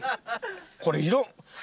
これ色。